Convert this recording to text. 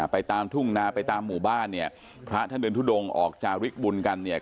ไปตามทุ่งนาไปตามหมู่บ้านเนี่ยพระท่านเดินทุดงออกจากริกบุญกันเนี่ย